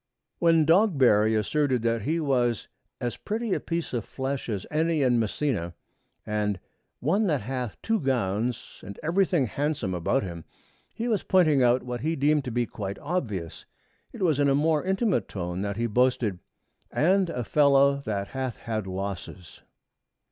When Dogberry asserted that he was 'as pretty a piece of flesh as any is in Messina,' and 'one that hath two gowns and everything handsome about him,' he was pointing out what he deemed to be quite obvious. It was in a more intimate tone that he boasted, 'and a fellow that hath had losses.'